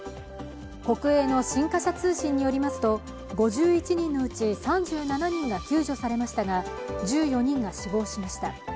国営の新華社通信によりますと、５１人のうち３７人が救助されましたが、１４人が死亡しました。